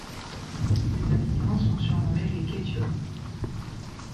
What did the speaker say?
Ses habitants sont surnommés les Quétiots.